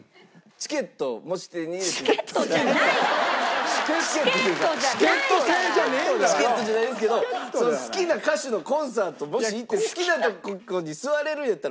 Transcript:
チケットじゃないんですけど好きな歌手のコンサートもし行って好きな所に座れるんやったら真ん中で見ません？